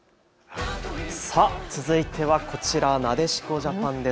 続いてはこちら、なでしこジャパンです。